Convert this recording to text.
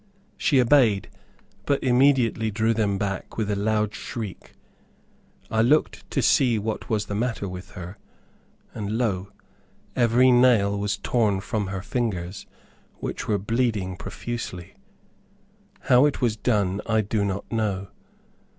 She obeyed but immediately drew them back with a loud shriek. I looked to see what was the matter with her, and lo! every nail was torn from her fingers, which were bleeding profusely. How it was done, I do not know.